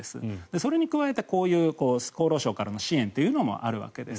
それに加えて、こういう厚労省からの支援というのもあるわけです。